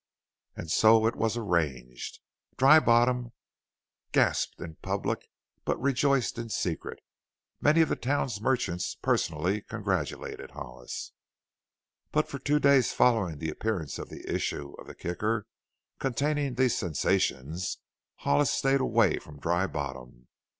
And so it was arranged. Dry Bottom gasped in public but rejoiced in secret. Many of the town's merchants personally congratulated Hollis. But for two days following the appearance of the issue of the Kicker containing these sensations, Hollis stayed away from Dry Bottom.